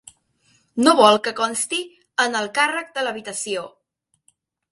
No vol que consti en el càrrec de l'habitació.